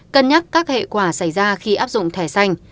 cân nhắc các hệ quả xảy ra khi áp dụng thẻ xanh